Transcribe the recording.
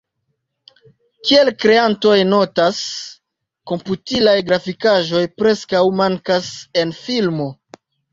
Kiel kreantoj notas, komputilaj grafikaĵoj preskaŭ mankas en filmo.